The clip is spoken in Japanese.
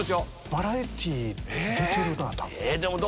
バラエティー出てるな多分。